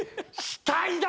死体だ！